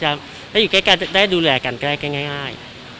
ไม่ได้อยู่ใกล้กันได้ดูแลกันได้ง่าย